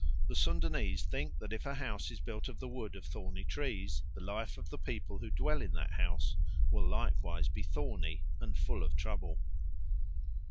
The Sudanese think that if a house is built of the wood of thorny trees, the life of the people who dwell in that house will likewise be thorny and full of trouble.